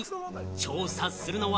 調査するのは。